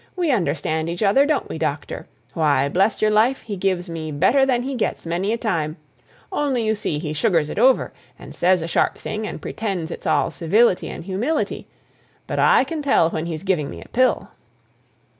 We understand each other, don't we, doctor? Why, bless your life, he gives me better than he gets many a time; only, you see, he sugars it over, and says a sharp thing, and pretends it's all civility and humility; but I can tell when he's giving me a pill."